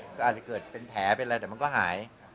ก็อาจจะเกิดเป็นแผลเป็นอะไรแต่มันก็หาย